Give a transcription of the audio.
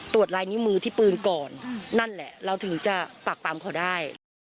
ลายนิ้วมือที่ปืนก่อนนั่นแหละเราถึงจะปากปั๊มเขาได้